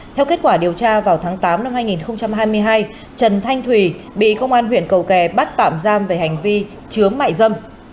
theo kết quả điều tra vào tháng tám năm hai nghìn hai mươi hai trần thanh thùy bị công an huyện cầu kè bắt phạm giam về hành vi chướng mại dâm